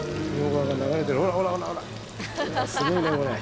すごいねこれ。